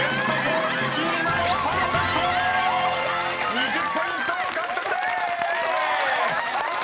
［２０ポイント獲得でーす！］